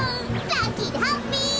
ラッキーでハッピー！